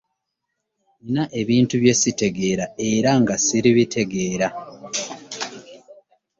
nnina ebintu bye ssitegeera era nga siribitegeera.